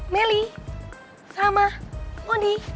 meli sama mondi